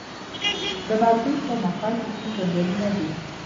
د بادغیس په مقر کې کوم ځنګلونه دي؟